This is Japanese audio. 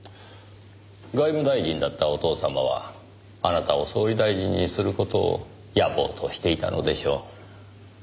外務大臣だったお父様はあなたを総理大臣にする事を野望としていたのでしょう。